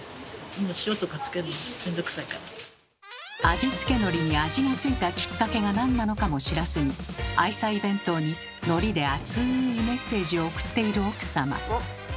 味付けのりに味が付いたきっかけがなんなのかも知らずに愛妻弁当にのりでアツいメッセージを送っている奥様。